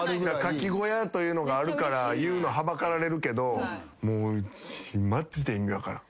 牡蠣小屋というのがあるから言うのはばかられるけどマジで意味分からん。